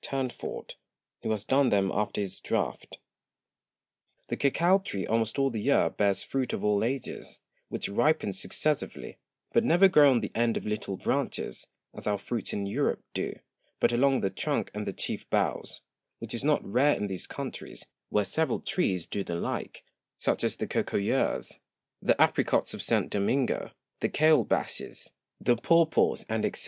Tournefort_, who has done them after his Draught[b]. The Cocao Tree almost all the Year bears Fruit of all Ages, which ripen successively, but never grow on the end of little Branches, as our Fruits in Europe do, but along the Trunk and the chief Boughs, which is not rare in these Countries, where several Trees do the like; such as the Cocoeiers, the Apricots of St. Domingo, the Calebashes, the Papaws, &c.